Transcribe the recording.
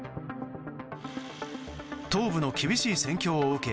東部の激しい戦況を受け